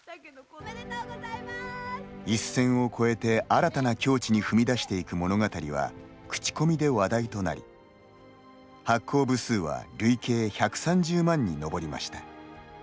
一線を超えて、新たな境地に踏み出していく物語は口コミで話題となり発行部数は累計１３０万に上りました。